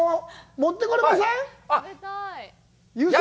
持ってこれません？